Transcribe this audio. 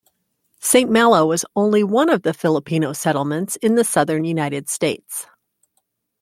Saint Malo was only one of the Filipino settlements in the Southern United States.